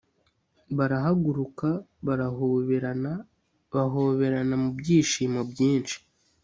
barahaguruka barahoberana bahobera mubyishimo byinshi.